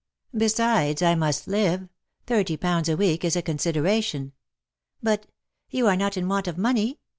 Besides, I must live — thirty pounds a week is a consideration.^^ " But — you are not in want of money